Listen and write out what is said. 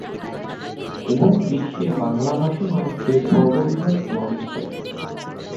এবং বিশ্বে বাংলা ভাষী মানুষদের সর্ববৃহৎ ব্লগিং সাইট।